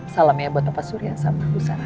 salam ya buat bapak surya sama bu sarah